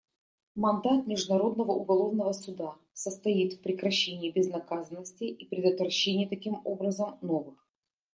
Мандат Международного уголовного суда состоит в прекращении безнаказанности и предотвращении, таким образом, новых преступлений.